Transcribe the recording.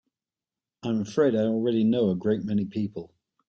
I'm afraid I already know a great many people.